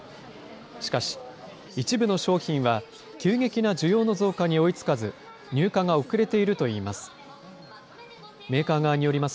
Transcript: しかし、一部の商品は急激な需要の増加に追いつかず、入荷が遅れているといいます。